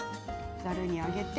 ざるに上げて。